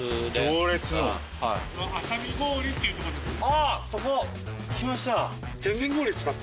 あっそこ聞きました。